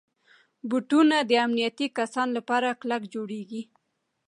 بوټونه د امنیتي کسانو لپاره کلک جوړېږي.